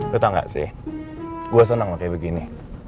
lu tau gak sih gue senang kayak begini